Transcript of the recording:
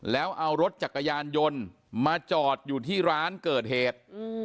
แล้วเอารถจักรยานยนต์มาจอดอยู่ที่ร้านเกิดเหตุ